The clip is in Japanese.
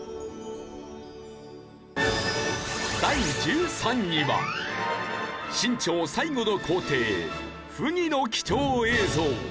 第１３位は清朝最後の皇帝溥儀の貴重映像。